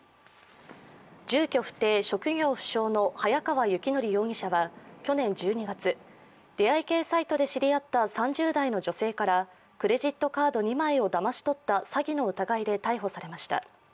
住居不定・職業不詳の早川幸範容疑者は去年１２月出会い系サイトで知り合った３０代の女性からクレジットカード２枚をだまし取った詐欺の疑いで逮捕されました。